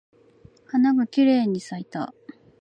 花がきれいに咲いた。